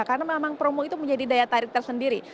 karena memang promo itu menjadi daya tarik tersendiri